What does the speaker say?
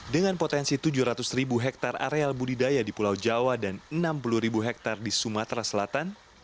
dengan potensi tujuh ratus ribu hektare areal budidaya di pulau jawa dan enam puluh ribu hektare di sumatera selatan